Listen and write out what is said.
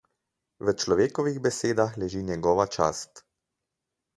V človekovih besedah leži njegova čast.